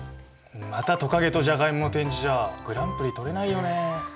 またトカゲとジャガイモの展示じゃグランプリ取れないよね。